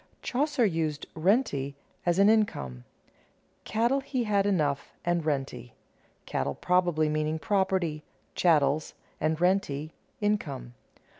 Chaucer used "rente" as an income. "Cattle had he enough and rente," cattle probably meaning property (chattels), and rente income.